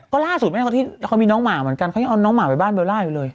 ก็ล่าสุดแม่เขามีน้องหมาเหมือนกันเขายังเอาน้องหมาไปบ้านเบลล่าอยู่เลย